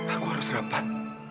aku harus rapat